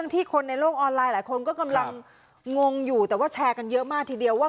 ที่คนในโลกออนไลน์หลายคนก็กำลังงงอยู่แต่ว่าแชร์กันเยอะมากทีเดียวว่า